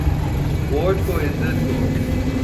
Vote کو عزت دو۔